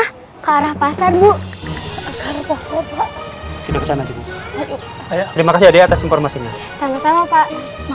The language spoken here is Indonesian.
hai karah pasar bu buk sampai ke sana juga terima kasih atas informasinya sama sama pak